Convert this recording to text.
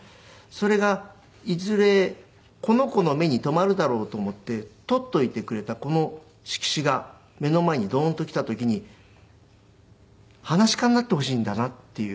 それがいずれこの子の目に留まるだろうと思って取っておいてくれたこの色紙が目の前にドーンと来た時に噺家になってほしいんだなっていう。